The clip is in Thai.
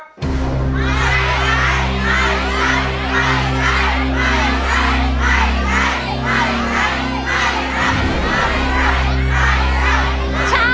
เพลงที่๒มาเลยครับ